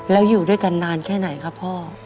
แล้วอยู่ด้วยกันนานแค่ไหนครับพ่อ